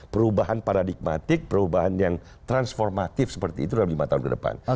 perubahan paradigmatik perubahan yang transformatif seperti itu dalam lima tahun ke depan